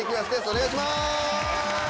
お願いします。